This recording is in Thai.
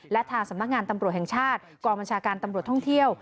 และทางสำนักงานตำรวจแห่งชาติกองบัญชาการตำรวจท่องเที่ยว